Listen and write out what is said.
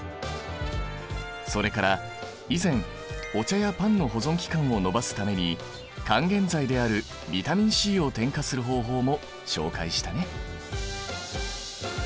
それから以前お茶やパンの保存期間を延ばすために還元剤であるビタミンＣを添加する方法も紹介したね。